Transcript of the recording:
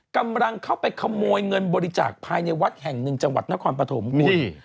กำลังเข้าไปขโมยเงินบริจาคภายในวัดแห่งหนึ่งจังหวัดนครปฐมคุณ